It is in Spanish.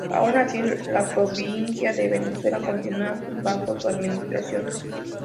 Aun así la provincia de Venezuela continua bajo su administración.